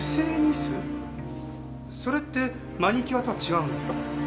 それってマニキュアとは違うんですか？